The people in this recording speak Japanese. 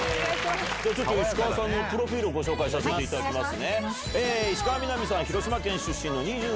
ちょっと石川さんのプロフィルをご紹介させていただきます。